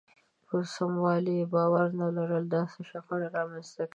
په سموالي يې باور نه لرل داسې شخړه رامنځته کوي.